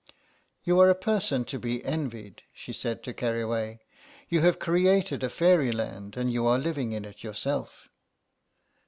"You are a person to be envied," she said to Keriway; "you have created a fairyland, and you are living in it yourself."